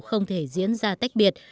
không thể diễn ra tách biệt